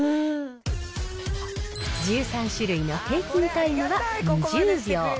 １３種類の平均タイムは２０秒。